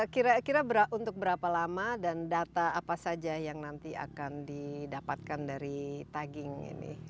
kira kira untuk berapa lama dan data apa saja yang nanti akan didapatkan dari tagging ini